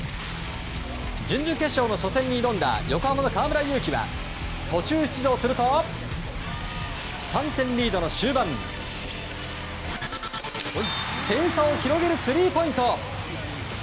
準々決勝の初戦に挑んだ横浜の河村勇輝は途中出場すると３点リードの終盤点差を広げるスリーポイント！